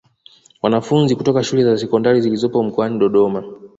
Wanafunzi kutoka shule za Sekondari zilizopo mkoani Dodoma